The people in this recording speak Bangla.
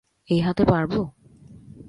এই হাতে পারবো?